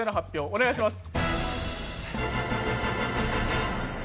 お願いします。